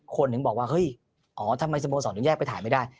ถึงบอกว่าเฮ้ยอ๋อทำไมสโมสรถึงแยกไปถ่ายไม่ได้